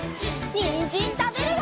にんじんたべるよ！